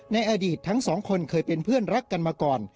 ในอดีตทั้งสองคนเคยเป็นเพื่อนรักกันมาก่อน